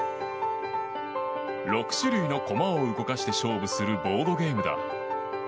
６種類の駒を動かして勝負するボードゲームだ。